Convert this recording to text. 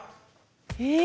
え